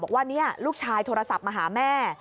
บอกว่านี่ลูกชายโทรศัพท์มาหาแม่